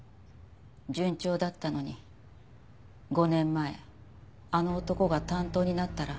順調だったのに５年前あの男が担当になったら契約を切られて。